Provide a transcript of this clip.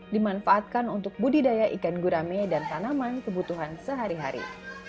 dimanfaatkan untuk budidaya ikan gurame dan tanaman kebutuhan sehari hari